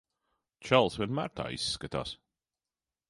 Čalis vienmēr tā izskatās.